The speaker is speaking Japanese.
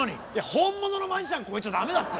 本物のマジシャン超えちゃ駄目だって。